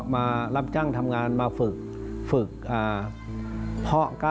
มารับจ้างทำงานมาฝึกพ่อก้าไหม้พันธุ์ต่าง